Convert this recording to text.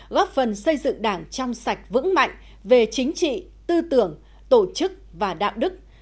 góp phần xây dựng đảng trong sạch vững mạnh về chính trị tư tưởng tổ chức và đạo đức